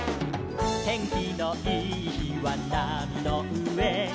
「てんきのいいひはなみのうえ」